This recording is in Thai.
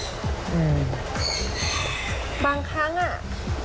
พี่หนึ่งเคล็ดลับในความเหมือนจริงของมันอย่างนี้